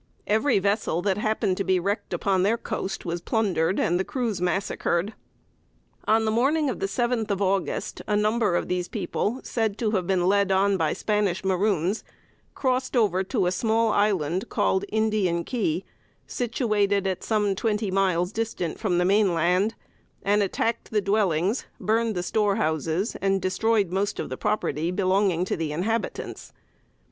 Every vessel that happened to be wrecked upon their coast was plundered, and the crews massacred. On the morning of the seventh of August, a number of these people, said to have been led on by Spanish maroons, crossed over to a small island called "Indian Key," situated at some twenty miles distant from the main land, and attacked the dwellings, burned the storehouses, and destroyed most of the property belonging to the inhabitants.